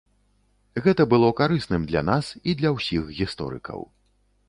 Гэта было карысным для нас і для ўсіх гісторыкаў.